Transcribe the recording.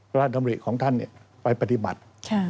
ดำริของท่านไปปฏิบัติ